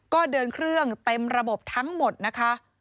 ก็เดินเครื่องเต็มระบบทั้งหมดนะคะ